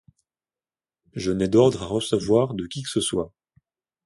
Je n’ai d’ordres à recevoir de qui que ce soit.